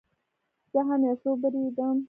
زه هم یو څه وبېرېدم.